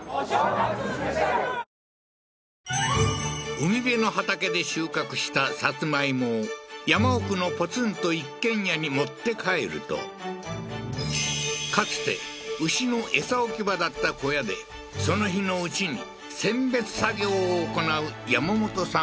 海辺の畑で収穫したさつまいもを山奥のポツンと一軒家に持って帰るとかつて牛の餌置き場だった小屋でその日のうちに選別作業を行う山本さん